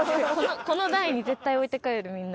この台に絶対置いて帰るみんな。